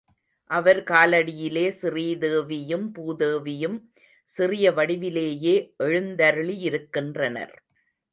அவர் காலடியிலே ஸ்ரீதேவியும் பூதேவியும் சிறிய வடிவிலேயே எழுந்தருளியிருக்கின்றனர்.